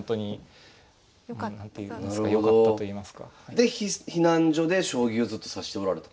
で避難所で将棋をずっと指しておられたんですか？